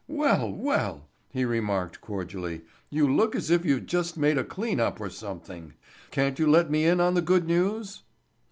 "Well, well," he remarked cordially, "you look as if you'd just made a clean up or something. Can't you let me in on the good news?"